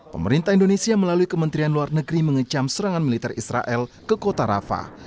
pemerintah indonesia melalui kementerian luar negeri mengecam serangan militer israel ke kota rafa